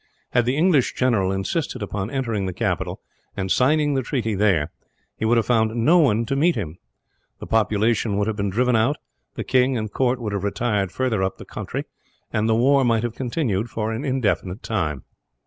Had the English general insisted upon entering the capital, and signing the treaty there, he would have found no one to meet him. The population would have been driven out, the king and court would have retired farther up the country, and the war might have continued for an indefinite time.